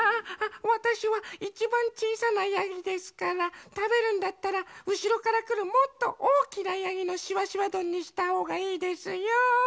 わたしはいちばんちいさなヤギですからたべるんだったらうしろからくるもっとおおきなヤギのしわしわどんにしたほうがいいですよ。